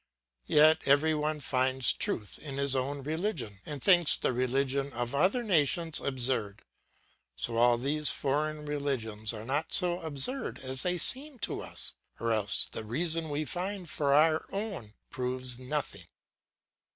Yet every one finds truth in his own religion, and thinks the religion of other nations absurd; so all these foreign religions are not so absurd as they seem to us, or else the reason we find for our own proves nothing.